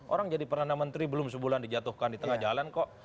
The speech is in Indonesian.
orang jadi perdana menteri belum sebulan dijatuhkan di tengah jalan kok